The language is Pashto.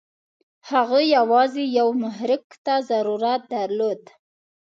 هغه یوازې یوه محرک ته ضرورت درلود.